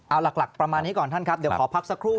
เอาหลักประมาณนี้ก่อนท่านครับเดี๋ยวขอพักสักครู่